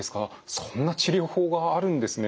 そんな治療法があるんですね。